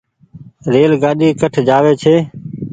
ريل گآڏي ڪٺ جآوي ڇي۔